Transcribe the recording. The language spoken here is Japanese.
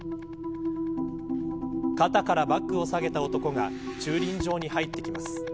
肩からバッグを提げた男が駐輪場に入ってきます。